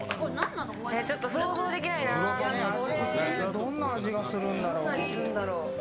どんな味がするんだろう。